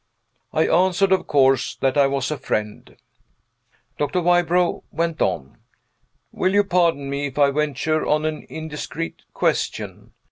I answered, of course, that I was a friend. Dr. Wybrow went on. "Will you pardon me if I venture on an indiscreet question?